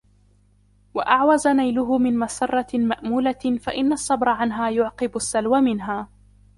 وَأَعْوَزَ نَيْلُهُ مِنْ مَسَرَّةٍ مَأْمُولَةٍ فَإِنَّ الصَّبْرَ عَنْهَا يُعْقِبُ السَّلْوَ مِنْهَا